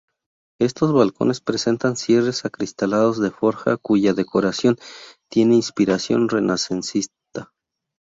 Estos balcones presentan cierres acristalados de forja cuya decoración tiene inspiración renacentista.